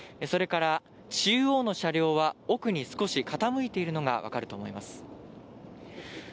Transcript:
それから中央の車両は奥に少し傾いているのがわかると思います。